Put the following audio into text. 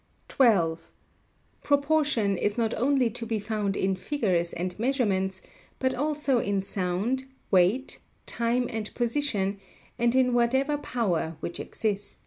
12. Proportion is not only to be found in figures and measurements, but also in sound, weight, time and position, and in whatever power which exists.